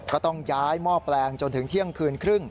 ก็ต้องย้ายหม้อแปลงจนถึงเที่ยงคืนครึ่ง